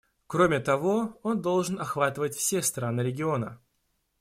Кроме того, он должен охватывать все страны региона.